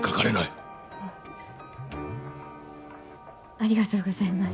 ありがとうございます。